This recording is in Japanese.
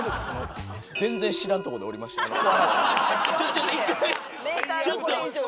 ちょっと一回。